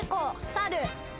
サル。